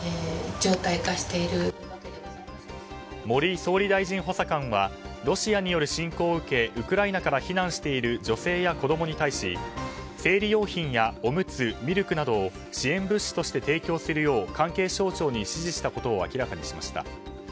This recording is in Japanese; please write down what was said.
森総理大臣補佐官はロシアによる侵攻を受けウクライナから避難している女性や子供に対し生理用品や、おむつミルクなどを支援物資として提供するよう関係省庁に指示したことを明らかにしました。